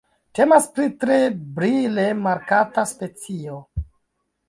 Temas pri tre brile markata specio.